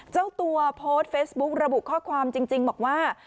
เจ้าตัวโพสต์เฟซบุ๊กระบุข้อความจริงบอกว่า